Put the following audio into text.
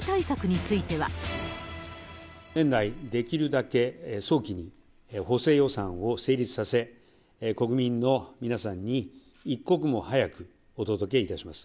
年内、できるだけ早期に補正予算を成立させ、国民の皆さんに一刻も早くお届けいたします。